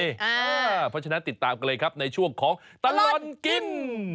เพราะฉะนั้นติดตามกันเลยครับในช่วงของตลอดกิน